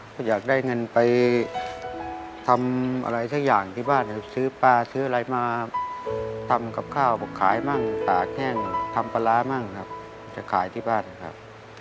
ก็อยากได้เงินไปทำอะไรสักอย่างที่บ้านจะซื้อปลาซื้ออะไรมาทำกับข้าวบอกขายมั่งสากแห้งทำปลาร้ามั่งครับจะขายที่บ้านครับ